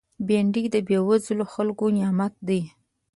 بېنډۍ د بېوزلو خلکو نعمت دی